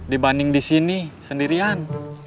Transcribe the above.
dibanding di sini sendirian